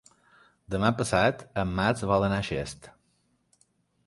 Demà passat en Max vol anar a Xest.